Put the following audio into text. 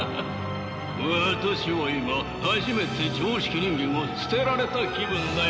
私は今初めて常識人間を捨てられた気分だよ。